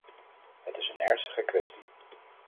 Het is een ernstige kwestie.